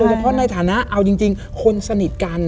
เฉพาะในฐานะเอาจริงคนสนิทกัน